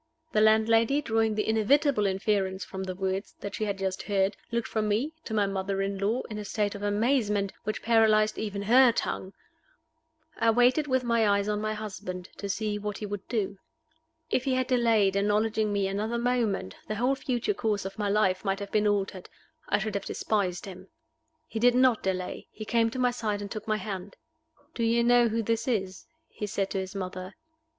The landlady, drawing the inevitable inference from the words that she had just heard, looked from me to my mother in law in a state of amazement, which paralyzed even her tongue. I waited with my eyes on my husband, to see what he would do. If he had delayed acknowledging me another moment, the whole future course of my life might have been altered I should have despised him. He did not delay. He came to my side and took my hand. "Do you know who this is?" he said to his mother.